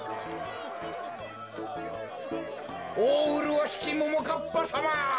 おおうるわしきももかっぱさま！